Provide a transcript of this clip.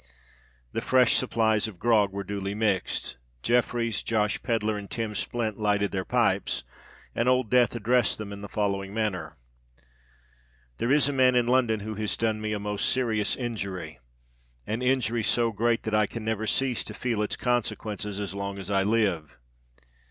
The fresh supplies of grog were duly mixed: Jeffreys, Josh Pedler, and Tim Splint lighted their pipes;—and Old Death addressed them in the following manner:— "There is a man in London who has done me a most serious injury—an injury so great that I can never cease to feel its consequences as long as I live.